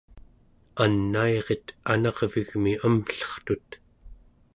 anairet anarvigmi amllertut